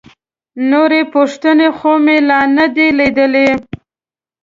نورې پوښتنې خو مې لا نه دي لیدلي.